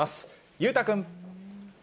裕太君。